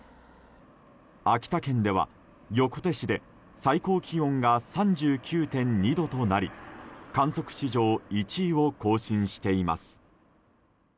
秋田県では、横手市で最高気温が３９．２度となり観測史上１位を更新しています。